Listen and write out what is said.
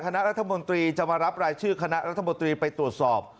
คณะรัฐมนตรีจะมารับรายชื่อคณะรัฐมนตรีไปตรวจสอบ